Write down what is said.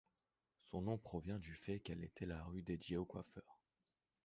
Son nom provient du fait qu'elle était la rue dédiée aux coiffeurs.